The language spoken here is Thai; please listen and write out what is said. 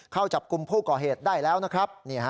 เข้าจับกลุ่มผู้ก่อเหตุได้แล้วนะครับ